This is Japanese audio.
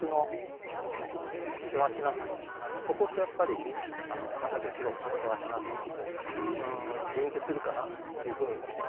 そことやっぱり畑仕事のせわしなさとリンクするかなっていうふうにも思います。